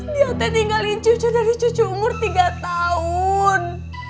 dia tinggalin cucu dari cucu umur tiga tahun